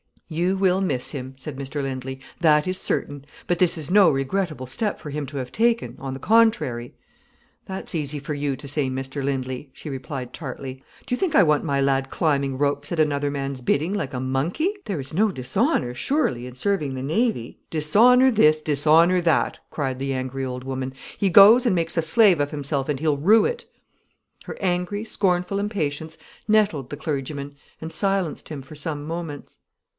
"You will miss him," said Mr Lindley, "that is certain. But this is no regrettable step for him to have taken—on the contrary." "That's easy for you to say, Mr Lindley," she replied tartly. "Do you think I want my lad climbing ropes at another man's bidding, like a monkey——?" "There is no dishonour, surely, in serving in the Navy?" "Dishonour this dishonour that," cried the angry old woman. "He goes and makes a slave of himself, and he'll rue it." Her angry, scornful impatience nettled the clergyman and silenced him for some moments.